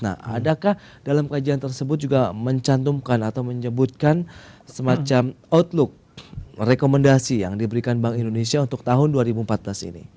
nah adakah dalam kajian tersebut juga mencantumkan atau menyebutkan semacam outlook rekomendasi yang diberikan bank indonesia untuk tahun dua ribu empat belas ini